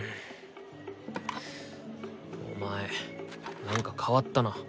お前なんか変わったな。